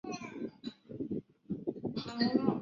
去年不是换电瓶